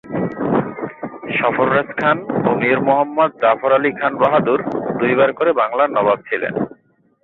সরফরাজ খান ও মীর মুহাম্মদ জাফর আলী খান বাহাদুর দুইবার করে বাংলার নবাব ছিলেন।